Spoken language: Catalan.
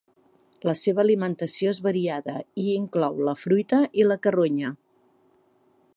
La seva alimentació és variada i inclou la fruita i la carronya.